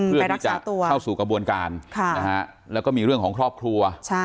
เพื่อที่จะเข้าสู่กระบวนการแล้วก็มีเรื่องของครอบครัว